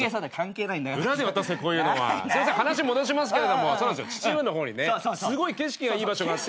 話戻しますけれども秩父の方にねすごい景色がいい場所があって。